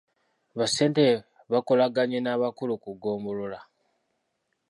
Bassentebe bakolaganye n’abakulu ku ggombolola.